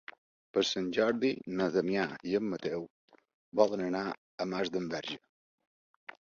Per Sant Jordi na Damià i en Mateu volen anar a Masdenverge.